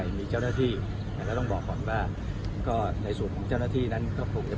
ยอดเร่งของบทนี้